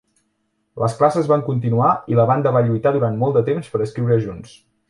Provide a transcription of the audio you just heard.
Les classes van continuar i la banda va lluitar durant molt de temps per escriure junts.